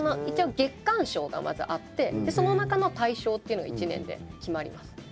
一応月間賞がまずあってその中の大賞っていうのが一年で決まります。